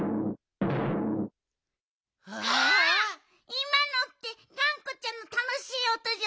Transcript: いまのってがんこちゃんのたのしいおとじゃない？